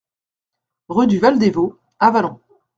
Rue du Val des Vaux, Avallon